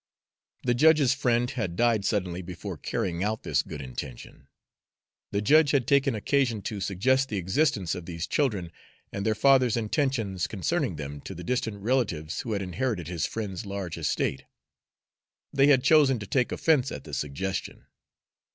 The judge's friend had died suddenly before carrying out this good intention. The judge had taken occasion to suggest the existence of these children, and their father's intentions concerning them, to the distant relatives who had inherited his friend's large estate. They had chosen to take offense at the suggestion.